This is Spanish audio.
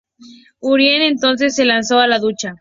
Urien entonces se lanzó a la lucha.